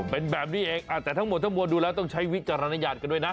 เป็นแบบนี้เองแต่ทั้งหมดทั้งมวลดูแล้วต้องใช้วิจารณญาณกันด้วยนะ